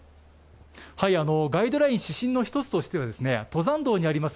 ガイドライン指針の一つとしては、登山道にあります